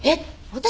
私？